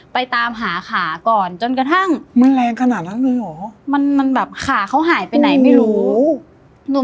ตามหาขาก่อนจนกระทั่งมันแรงขนาดนั้นเลยเหรอขาเขาหายไปไหนไม่รู้